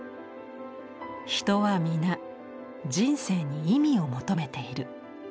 「人はみな人生に意味を求めている。